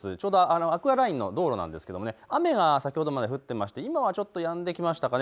アクアラインの道路なんですが雨は先ほどまで降っていたんですが今はやんできましたかね。